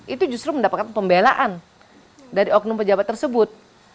itu justru mendapatkan pembelaan dari oknum pejabat tersebut